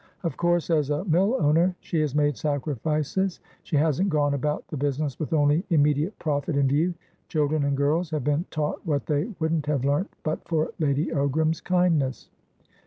Of course, as a mill owner, she has made sacrifices; she hasn't gone about the business with only immediate profit in view; children and girls have been taught what they wouldn't have learnt but for Lady Ogram's kindness."